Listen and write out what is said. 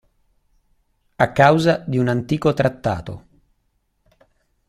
A causa di un antico trattato.